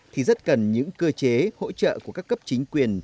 thì rất cần những cơ chế hỗ trợ của các cấp chính quyền